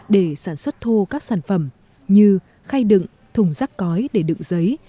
để sản xuất thô các sản phẩm như khay đựng thùng rác cói để đựng giấy